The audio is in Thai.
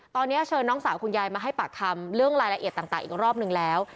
ตอนนี้เชิญน้องสาวคุณยายมาให้ปากคำเรื่องรายละเอียดต่างอีกรอบนึงแล้ว